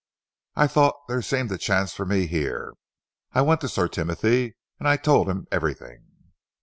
I thought there seemed a chance for me here. I went to Sir Timothy and I told him everything."